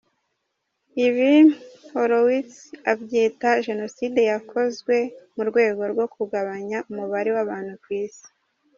Ibi Holowitz abyita Jenoside yakozwe mu rwego rwo kugabanya umubare w’abantu ku isi.